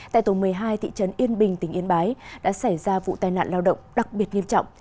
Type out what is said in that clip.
tại tổng một mươi hai thị trấn yên bình tỉnh yên bái đã xảy ra vụ tai nạn lao động đặc biệt nghiêm trọng